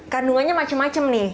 kandungannya macem macem nih